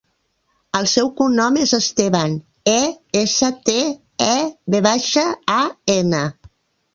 El seu cognom és Estevan: e, essa, te, e, ve baixa, a, ena.